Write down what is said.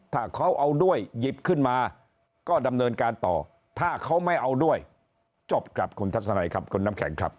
ถ้าเขาเอาด้วยหยิบขึ้นมาก็ดำเนินการต่อถ้าเขาไม่เอาด้วยจบครับคุณทัศนัยครับคุณน้ำแข็งครับ